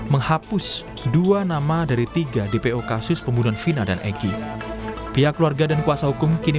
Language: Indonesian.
menghapus dua nama dari tiga dpo kasus pembunuhan vina dan egy pihak keluarga dan kuasa hukum kini